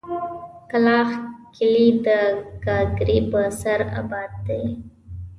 کلاخ کلي د گاگرې په سر اباد دی.